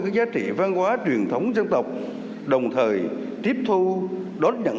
các giá trị văn hóa truyền thống dân tộc đồng thời tiếp thu đón nhận